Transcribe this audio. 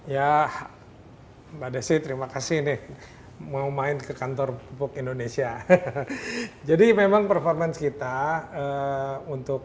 ya mbak desi terima kasih nih mau main ke kantor pupuk indonesia jadi memang performance kita untuk